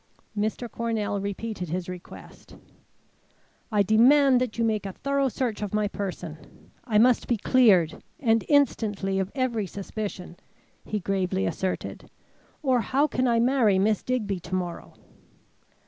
Mr. Cornell repeated his request. "I demand that you make a thorough search of my person. I must be cleared, and instantly, of every suspicion," he gravely asserted, "or how can I marry Miss Digby to morrow?"